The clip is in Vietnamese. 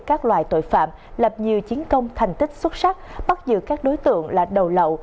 các loại tội phạm lập nhiều chiến công thành tích xuất sắc bắt giữ các đối tượng là đầu lậu